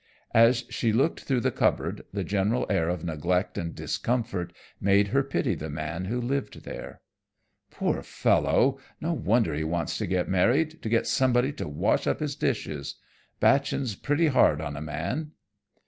As she looked through the cupboard, the general air of neglect and discomfort made her pity the man who lived there. "Poor fellow, no wonder he wants to get married to get somebody to wash up his dishes. Batchin's pretty hard on a man."